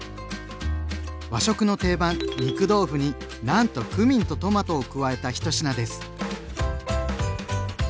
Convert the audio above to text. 和食の定番「肉豆腐」になんとクミンとトマトを加えた１品です。